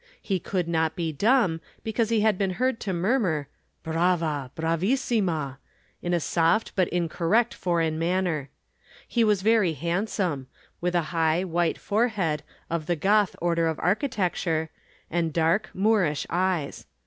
He could not be dumb, because he had been heard to murmur "Brava, bravissima," in a soft but incorrect foreign manner. He was very handsome, with a high, white forehead of the Goth order of architecture, and dark, Moorish eyes.